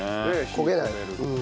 焦げない。